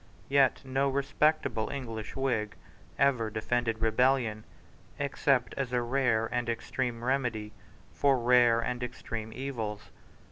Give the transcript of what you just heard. Yet no respectable English Whig ever defended rebellion, except as a rare and extreme remedy for rare and extreme evils.